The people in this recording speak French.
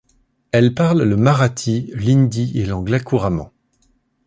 Elle parle le marathi, l'hindi et l'anglais couramment.